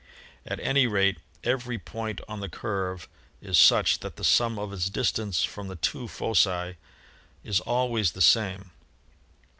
At any rate, every point on the curve is such that the sum of its distance from the two foci is always the same.